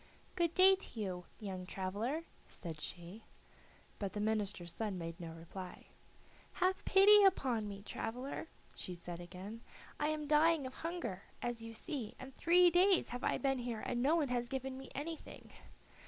"Good day to you, young traveler," said she. But the minister's son made no reply. "Have pity upon me, traveler," she said again. "I am dying of hunger, as you see, and three days have I been here and no one has given me anything."